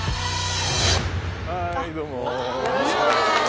はいどうも。